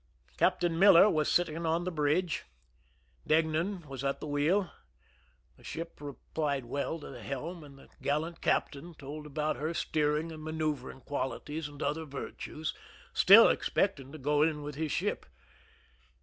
Captain Miller was sitting on the bridge ; Deignan was at the wheel ; the ship replied well to the helm, and the gallant captain told about her steer ing and manoeuvering qualities and other virtues, stiU expecting to go in with his ship.